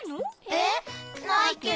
えっ？ないけど。